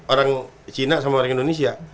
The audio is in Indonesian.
orang cina sama orang indonesia